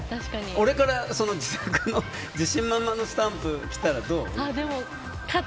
俺から自信満々のスタンプ来たらどう？